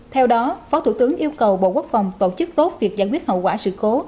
theo đó phó thủ tướng yêu cầu bộ quốc phòng tổ chức tốt việc giải quyết hậu quả sự cố